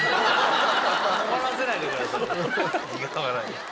はい。